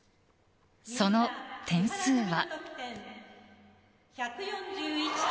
その点数は。